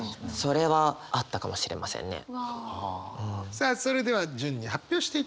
さあそれでは順に発表していきましょう。